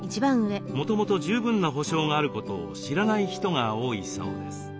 もともと十分な保障があることを知らない人が多いそうです。